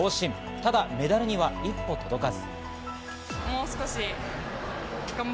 ただメダルには一歩届かず。